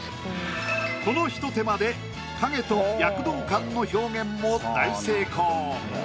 このひと手間で影と躍動感の表現も大成功。